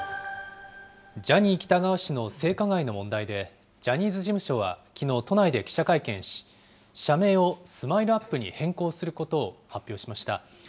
ジャニー喜多川氏の性加害の問題で、ジャニーズ事務所はきのう、都内で記者会見し、社名をＳＭＩＬＥーＵＰ．に変更することを発表しました。